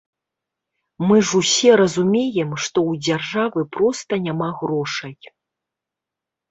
Мы ж усе разумеем, што ў дзяржавы проста няма грошай.